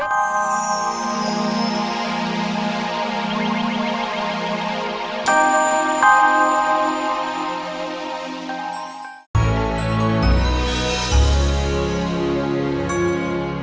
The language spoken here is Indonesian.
ini apaan tuh